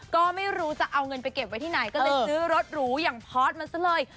ก็ไม่รู้จะเอาเงินไปเก็บไว้ที่ไหนก็เลยซื้อรถหรูอย่างพอร์ตมันซะเลย